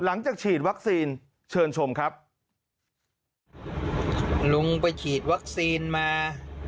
หลังจากฉีดวัคซีนเชิญชมครับลุงไปฉีดวัคซีนมา